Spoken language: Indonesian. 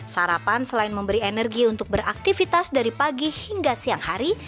sarapan selain memberi energi untuk beraktivitas dari pagi hingga siang hari